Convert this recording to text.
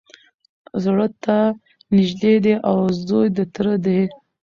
زړه ته نیژدې دی او زوی د تره دی